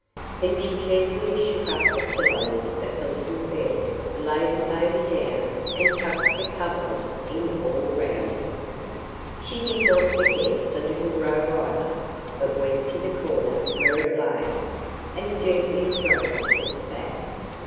Then she carefully shook up the pillows of the little bed, laid the baby down and tucked the coverlet in all round him. She did not forget the little Roe either, but went to the corner where it lay, and gently stroked its back.